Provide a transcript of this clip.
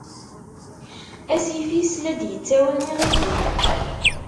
Asif-is, la d-yettawi iɣiden.